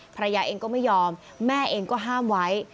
ภรรยาเองก็ไม่ยอมแม่เองก็ห้ามไว้